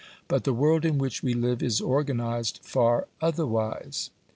But the world in which we live is organised far otherwise.